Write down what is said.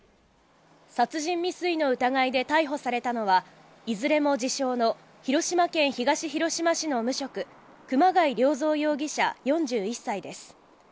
殺人未遂の疑いで逮捕されたのは、いずれも自称の広島県東広島市の無職・熊谷良三容疑者、４１歳です。